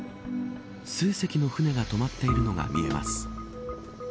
数隻の船が止まっているのが見えます。